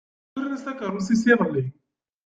Ukren-as takeṛṛust-is iḍelli.